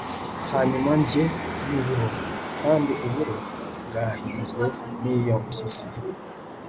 hanyuma ndye n'uburo, kandi uburo bwahinzwe n'iyo mpyisi